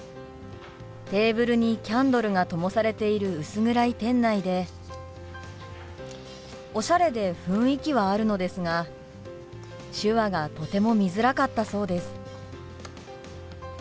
テーブルにキャンドルがともされている薄暗い店内でおしゃれで雰囲気はあるのですが手話がとても見づらかったそうです。